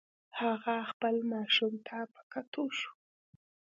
هغه خپل ماشوم ته په کتو شو.